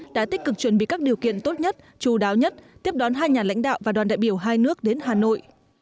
đã tích cực chuẩn bị các điều kiện tốt nhất chú đáo nhất tiếp đón hai nhà lãnh đạo và đoàn đại biểu hai nước đến hà nội